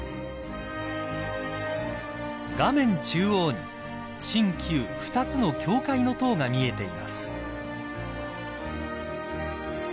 ［画面中央に新旧２つの教会の塔が見えています］